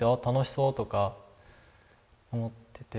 楽しそうとか思ってて。